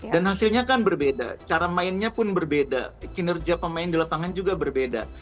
dan hasilnya kan berbeda cara mainnya pun berbeda kinerja pemain di lapangan juga berbeda